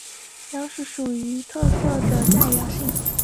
他们的绘画与雕塑是最具特色与代表性的。